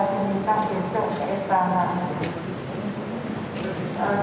permintaan untuk keistirahat